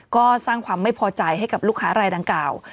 ก็สร้างความไม่พอใจให้กับลูกค้ารายดังกล่าว